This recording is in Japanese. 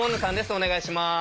お願いします。